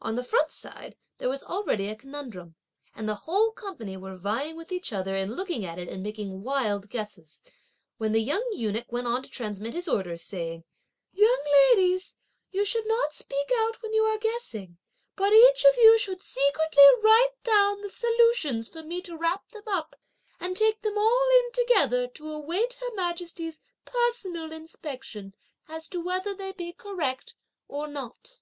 On the front side, there was already a conundrum, and the whole company were vying with each other in looking at it and making wild guesses; when the young eunuch went on to transmit his orders, saying: "Young ladies, you should not speak out when you are guessing; but each one of you should secretly write down the solutions for me to wrap them up, and take them all in together to await her Majesty's personal inspection as to whether they be correct or not."